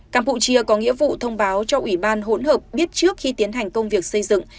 campuchia có nghĩa vụ thông báo cho ủy ban hỗn hợp biết trước khi tiến hành công việc xây dựng